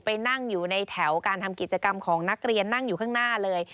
ไปนั่งอยู่ในแถวการทำกิจกรรมของนักเรียนนั่งอยู่ข้างหน้าเลย